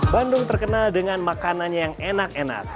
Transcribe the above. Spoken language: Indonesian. bandung terkenal dengan makanannya yang enak enak